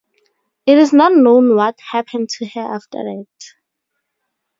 It is not known what happened to her after that.